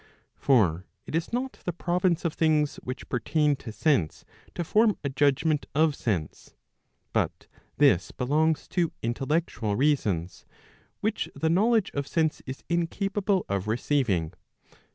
For it is not the province of things which pertain to sense to form a judgment of sense, but this belongs to intellectual reasons, which the knowledge of sense is incapable of receiving.